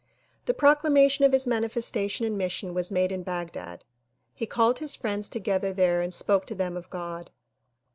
The proclamation of his manifes tation and mission was made in Baghdad. He called his friends together there and spoke to them of God.